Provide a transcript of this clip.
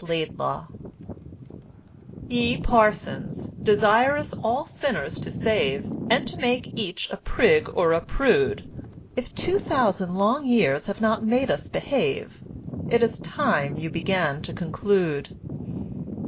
LAIDLAW Ye Parsons, desirous all sinners to save, And to make each a prig or a prude, If two thousand long years have not made us behave, It is time you began to conclude.